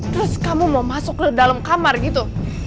terus kamu mau masuk ke dalam kamar gitu